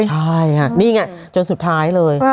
ใช่ค่ะนี่ไงจนสุดท้ายเลย